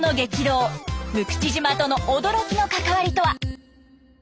六口島との驚きの関わりとは？